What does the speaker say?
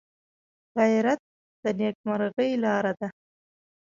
غیرت د نیکمرغۍ لاره ده